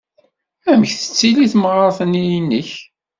Amek tettili temɣart-nni-inek?